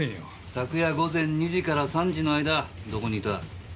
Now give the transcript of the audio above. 昨夜午前２時から３時の間どこにいた？